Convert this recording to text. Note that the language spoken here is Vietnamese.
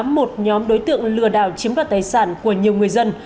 một nhóm đối tượng lừa đảo chiếm đoạt tài sản của nhiều người dân